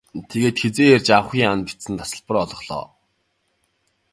Тэгээд хэзээ ирж авахы нь бичсэн тасалбар олголоо.